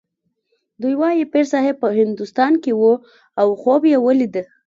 دوی وايي پیرصاحب په هندوستان کې و او خوب یې ولید.